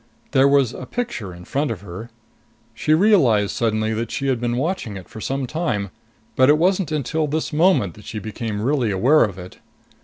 There was a picture in front of her. She realized suddenly that she had been watching it for some time. But it wasn't until this moment that she became really aware of it.